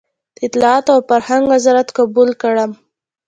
د اطلاعاتو او فرهنګ وزارت قبول کړم.